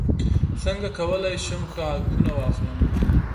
څنګه کولی شم ښه عکسونه واخلم